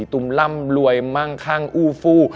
ตุมร่ำรวยมั่งคั่งอู้ฟู